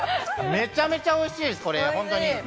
めちゃめちゃおいしいです、これ本当に。